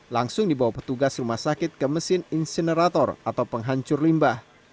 langsung dibawa petugas rumah sakit ke mesin insinerator atau penghancur limbah